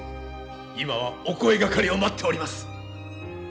今はお声がかりを待っております。